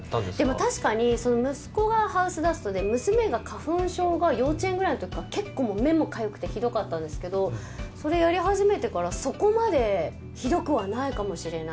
確かに息子がハウスダストで娘が花粉症が幼稚園くらいの時から結構、目もかゆくてひどかったんですけどそれをやり始めてからそこまでひどくはないかもしれない。